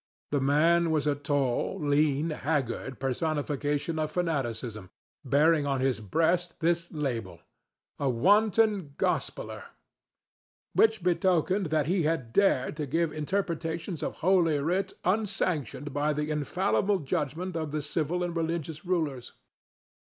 The man was a tall, lean, haggard personification of fanaticism, bearing on his breast this label, "A WANTON GOSPELLER," which betokened that he had dared to give interpretations of Holy Writ unsanctioned by the infallible judgment of the civil and religious rulers.